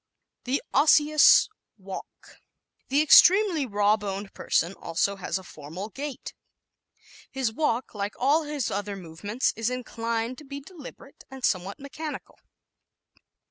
The Osseous Walk ¶ The extremely raw boned person has also a formal gait. His walk, like all his other movements, is inclined to be deliberate and somewhat mechanical.